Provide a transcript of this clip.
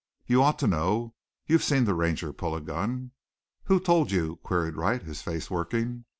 "You ought to know. You've seen the Ranger pull a gun." "Who told you?" queried Wright, his face working.